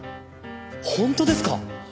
本当ですか？